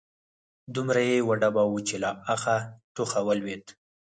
دومره يې وډباوه چې له اخه، ټوخه ولوېد